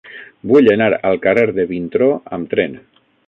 Vull anar al carrer de Vintró amb tren.